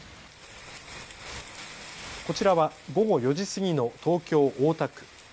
こちらは午後４時過ぎの東京大田区。